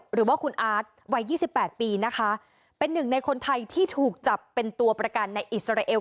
หรือว่าคุณอาร์ตวัยยี่สิบแปดปีนะคะเป็นหนึ่งในคนไทยที่ถูกจับเป็นตัวประกันในอิสราเอล